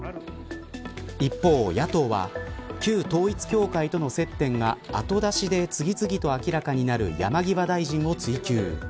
一方、野党は旧統一教会との接点が後出しで次々と明らかになる山際大臣を追及。